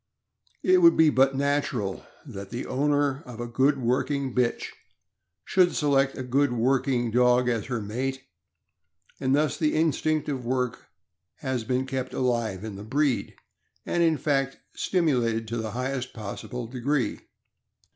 It would be but natural that the owner of a good working bitch should select a good working dog as her mate, and thus the instinct of work has been kept alive in the breed, and in fact stimulated to the highest possible degree.